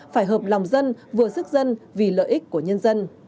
phải hợp lòng dân vừa sức dân vì lợi ích của nhân dân